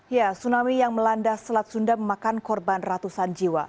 ya tsunami yang melanda selat sunda memakan korban ratusan jiwa